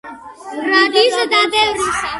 რიდა და ბევრსაც